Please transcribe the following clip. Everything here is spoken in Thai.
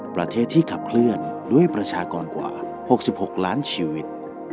ประเทศที่ขับเคลื่อนด้วยประชากรกว่า๖๖ล้านชีวิต